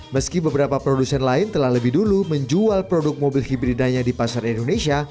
meski beberapa produsen lain telah lebih dulu menjual produk mobil hibridanya di pasar indonesia